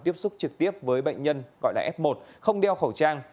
tiếp xúc trực tiếp với bệnh nhân gọi là f một không đeo khẩu trang